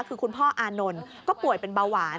คือคุณพ่ออานนท์ก็ป่วยเป็นเบาหวาน